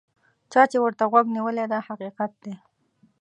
چا چې ورته غوږ نیولی دا حقیقت دی.